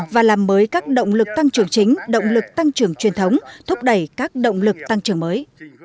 và làm mới các động lực tăng trưởng chính động lực tăng trưởng truyền thống thúc đẩy các động lực tăng trưởng mới